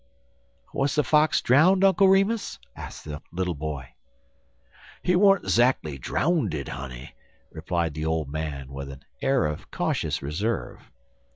"' "Was the Fox drowned, Uncle Remus?" asked the little boy. "He weren't zackly drowndid, honey," replied the old man, With an air of cautious reserve.